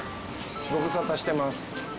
ご無沙汰してます。